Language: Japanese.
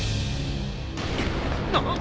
・あっ！